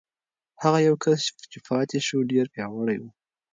هغه یو کس چې پاتې شو، ډېر پیاوړی و.